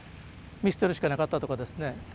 見捨てるしかなかったとかですね。